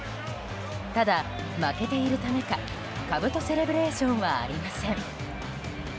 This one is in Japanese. ただ、負けているためかかぶとセレブレーションはありません。